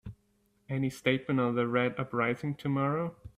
Any statement on the Red uprising tomorrow?